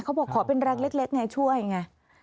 เขาบอกขอเป็นแรงเล็กไงช่วยไง